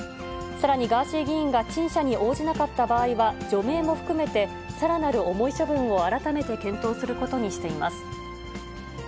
さらにガーシー議員が陳謝に応じなかった場合には、除名も含めて、さらなる重い処分を改めて検討することにしています。